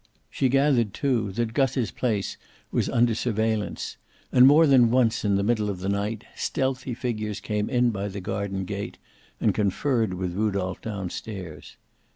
She gathered, too, that Gus's place was under surveillance, and more than once in the middle of the night stealthy figures came in by the garden gate and conferred with Rudolph down stairs.